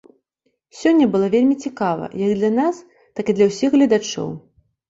Сёння было вельмі цікава як для нас, так і для ўсіх гледачоў.